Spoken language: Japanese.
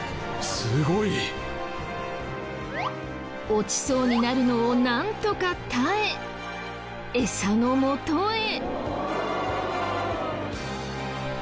落ちそうになるのをなんとか耐えエサのもとへ。